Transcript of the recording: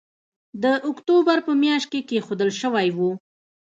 د اکتوبر په مياشت کې کېښودل شوی وو